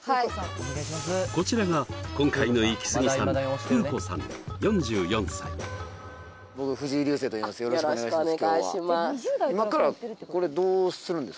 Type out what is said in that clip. こちらが今回のイキスギさん僕藤井流星といいます